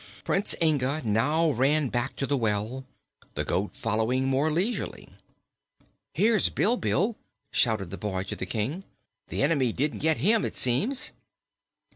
Prince Inga now ran back to the well, the goat following more leisurely. "Here's Bilbil!" shouted the boy to the King. "The enemy didn't get him, it seems."